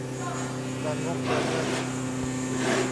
กระงกกระเงิ่น